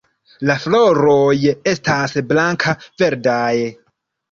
La floroj estas blanka-verdaj.